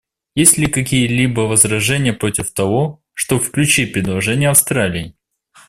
Есть ли какие-либо возражения против того, чтобы включить предложение Австралии?